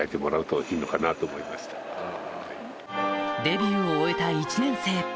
デビューを終えた１年生